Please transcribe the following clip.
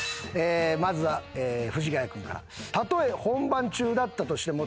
まずは藤ヶ谷君から。